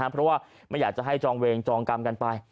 เพราะว่าไม่อยากจะให้จองเวงจองกรรมกันไป